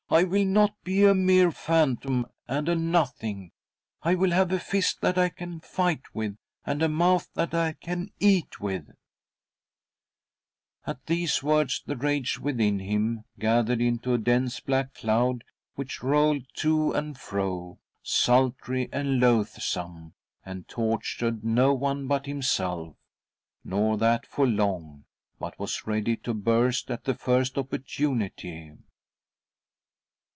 " I will not be a mere phantom and a nothing ! I will have a fist that I can fight with and a mouth that I can eat with." At these words, the rage within him gathered into a dense black cloud which rolled to and fro, sultry and loathsome, and tortured no one but 3 ■,,■ ■HiH 5 '■; 58 THY SOUL SHALL BEAR WITNESS ! himself, nor that for long, but was ready to burst at the first opportunity.